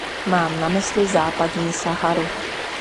Mám na mysli Západní Saharu.